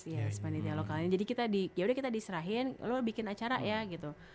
yes panitia lokal jadi kita di yaudah kita diserahin lu bikin acara ya gitu